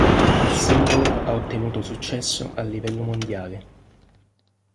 Il singolo ha ottenuto successo a livello mondiale.